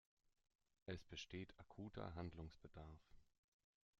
Es besteht akuter Handlungsbedarf.